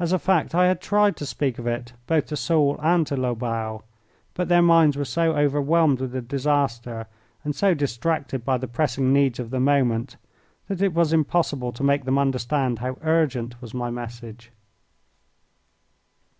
As a fact, I had tried to speak of it both to Soult and to Lobau, but their minds were so overwhelmed with the disaster and so distracted by the pressing needs of the moment that it was impossible to make them understand how urgent was my message.